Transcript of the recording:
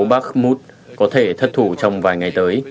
thành phố parmus có thể thất thủ trong vài ngày tới